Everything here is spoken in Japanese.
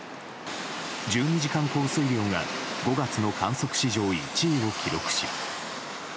１２時間降水量が５月の観測史上１位を記録し。